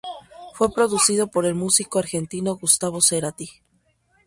Fue producido por el músico argentino Gustavo Cerati.